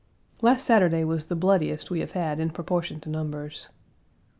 Last Saturday was the bloodiest we have had in Page 139 proportion to numbers.